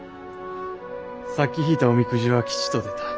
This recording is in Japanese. さっき引いたおみくじは「吉」と出た。